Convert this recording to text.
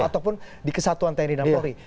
ataupun di kesatuan tni dan polri